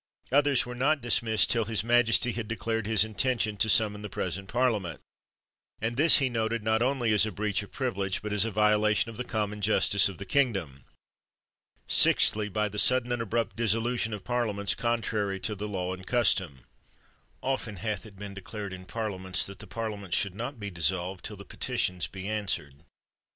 Others were not dismissed till his majesty had declared his intention to summon the present Parliament. And this he noted not only as a breach of privi ege, but as a violation of the common justice of the kingdom. Sixthly, by the sudden and abrupt dissolution of parliaments, contrary to the law and custom. Often hath it been declared in parliaments, that the Parliament should not be dissolved till the petitions be answered.